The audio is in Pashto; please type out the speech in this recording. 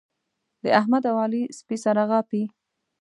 د احمد او علي سپي سره غاپي.